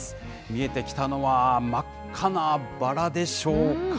見えてきたのは、真っ赤なバラでしょうか。